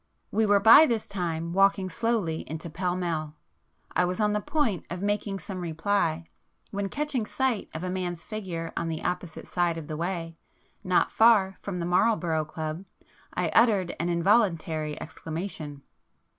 [p 112]We were by this time walking slowly into Pall Mall,—I was on the point of making some reply, when catching sight of a man's figure on the opposite side of the way, not far from the Marlborough Club, I uttered an involuntary exclamation.